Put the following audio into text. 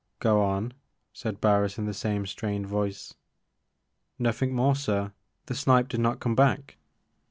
Go on,* 'said Barris in the same strained voice. Nothing more sir. The snipe did not come back."